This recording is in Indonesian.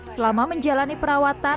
selama menjalani perawatan